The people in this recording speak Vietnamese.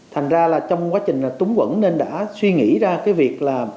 thành ra là trong quá trình túng quẩn nên đã suy nghĩ ra cái việc là